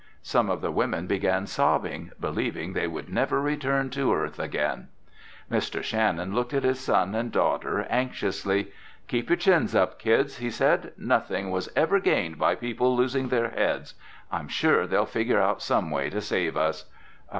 Some of the women began sobbing, believing they would never return to earth again. Mr. Shannon looked at his son and daughter anxiously. "Keep your chins up, kids," he said. "Nothing was ever gained by people losing their heads. I'm sure they'll figure out some way to save us."